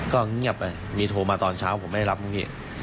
ก็เงียบไปมีโทรมาตอนเช้าผมไม่รับเมื่อกี้